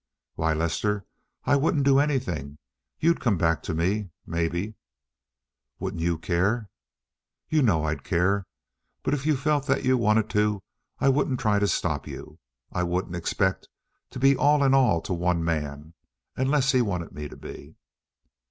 "Why, Lester, I wouldn't do anything. You'd come back to me, maybe." "Wouldn't you care?" "You know I'd care. But if you felt that you wanted to, I wouldn't try to stop you. I wouldn't expect to be all in all to one man, unless he wanted me to be."